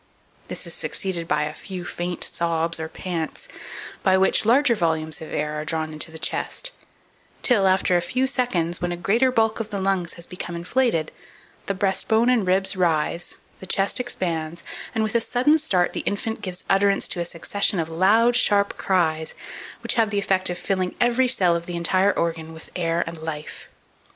This is succeeded by a few faint sobs or pants, by which larger volumes of air are drawn into the chest, till, after a few seconds, and when a greater bulk of the lungs has become inflated, the breast bone and ribs rise, the chest expands, and, with a sudden start, the infant gives utterance to a succession of loud, sharp cries, which have the effect of filling every cell of the entire organ with air and life.